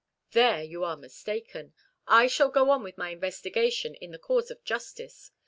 "There you are mistaken. I shall go on with my investigation, in the cause of justice.